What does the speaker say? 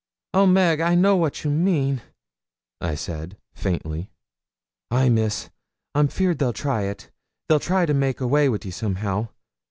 Oh, Meg! I know what you mean,' said I, faintly. 'Ay, Miss, I'm feared they'll try it; they'll try to make away wi' ye somehow.